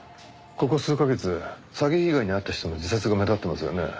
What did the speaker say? ここ数カ月詐欺被害に遭った人の自殺が目立ってますよね。